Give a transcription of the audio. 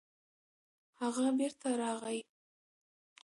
هغه بېرته راغی.